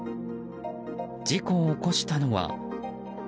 事故を起こしたのは。